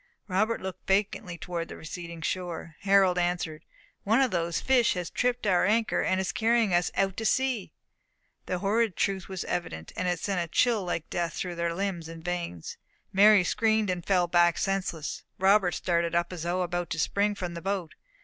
Robert looked vacantly towards the receding shore. Harold answered, "One of these fish has tripped our anchor, and is carrying us out to sea." The horrid truth was evident; and it sent a chill like death through their limbs and veins. Mary screamed and fell back senseless. Robert started up as though about to spring from the boat.